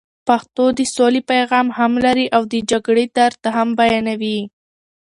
پښتو د سولې پیغام هم لري او د جګړې درد هم بیانوي.